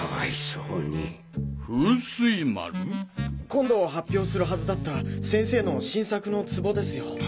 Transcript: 今度発表するはずだった先生の新作のツボですよ。